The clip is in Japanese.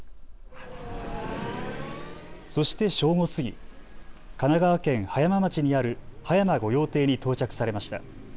そして正午過ぎ、神奈川県葉山町にある葉山御用邸に到着されました。